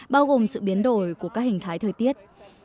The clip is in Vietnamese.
bao gồm sự biến đổi của các hình thái thời tiết